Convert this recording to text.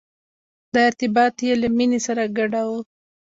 دا ارتباط یې له مینې سره ګډاوه.